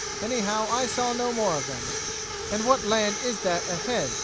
Anyhow, I saw no more of them." "And what land is that ahead?"